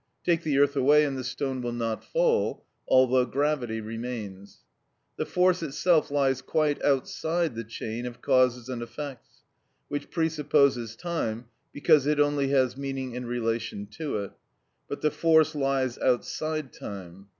Take the earth away and the stone will not fall, although gravity remains. The force itself lies quite outside the chain of causes and effects, which presupposes time, because it only has meaning in relation to it; but the force lies outside time.